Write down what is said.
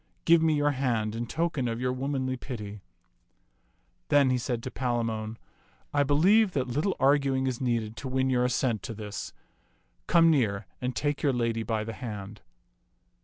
Give me your hand in token of your womanly pity." Then said he to Palamon, " I believe that little 52 ti^^Mms^f^tak arguing is needed to win your assent to this. Come near and take your lady by the hand."